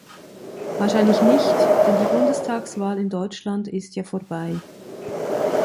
Wahrscheinlich nicht, denn die Bundestagswahl in Deutschland ist ja vorbei.